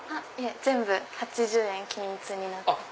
全部８０円均一になってます。